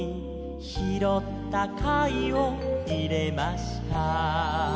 「拾った貝を入れました」